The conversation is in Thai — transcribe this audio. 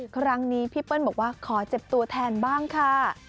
ครั้งนี้พี่เปิ้ลบอกว่าขอเจ็บตัวแทนบ้างค่ะ